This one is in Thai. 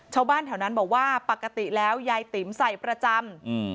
ชาวบ้านแถวนั้นบอกว่าปกติแล้วยายติ๋มใส่ประจำ